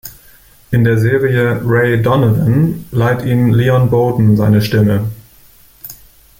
In der Serie "Ray Donovan" leiht ihm Leon Boden seine Stimme.